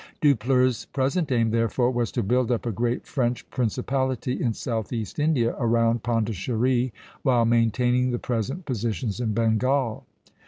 Dupleix's present aim, therefore, was to build up a great French principality in southeast India, around Pondicherry, while maintaining the present positions in Bengal.